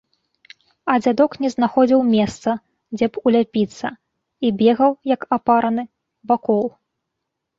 А дзядок не знаходзіў месца, дзе б уляпіцца, і бегаў, як апараны, вакол.